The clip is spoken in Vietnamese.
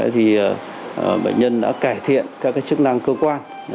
thì bệnh nhân đã cải thiện các chức năng cơ quan